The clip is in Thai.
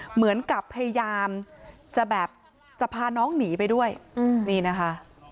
เหมือนกับพยายามจะแบบจะพาน้องหนีไปด้วยนี่นะคะ